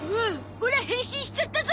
オラ変身しちゃったゾ！